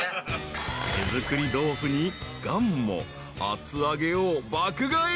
［手作り豆腐にがんも厚揚げを爆買い］